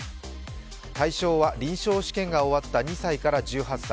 対象は臨床試験が終わった２歳から１８歳。